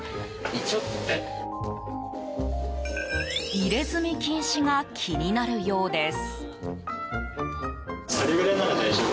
入れ墨禁止が気になるようです。